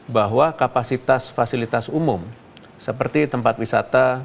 bahwa kapasitas fasilitas umum seperti tempat wisata